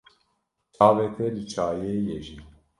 Çavê te li çayê ye jî?